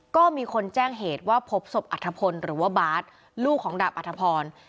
ก็มีคนแจ้งเหตุว่าพบศพอัธพลหรือว่าบาร์ดลูกของดาบอัธพร